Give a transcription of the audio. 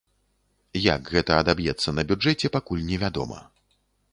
Як гэта адаб'ецца на бюджэце, пакуль невядома.